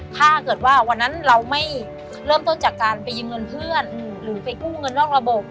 ถ้าเกิดว่าวันนั้นเราไม่เริ่มต้นจากการไปยืมเงินเพื่อนหรือไปกู้เงินนอกระบบ